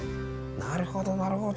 なるほどなるほど。